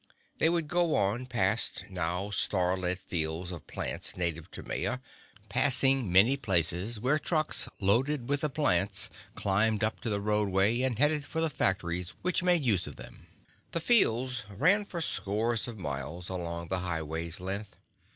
They would go on past now starlit fields of plants native to Maya, passing many places where trucks loaded with the plants climbed up to the roadway and headed for the factories which made use of them. The fields ran for scores of miles along the highway's length.